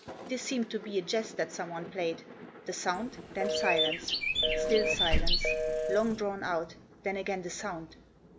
This seemed to be a jest that someone played : the sound, then silence ; still silence, long drawn out, then again the sound.